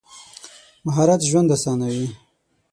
مهارت ژوند اسانوي.